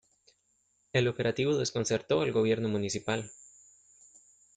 El operativo desconcertó al gobierno municipal.